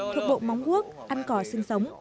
thuộc bộ móng quốc ăn cỏ sinh sống